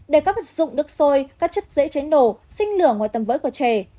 để các vật dụng nước sôi các chất dễ cháy nổ sinh lửa ngoài tầm với của trẻ